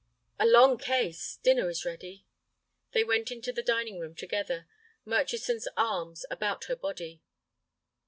"A long case. Dinner is ready." They went into the dining room together, Murchison's arm about her body.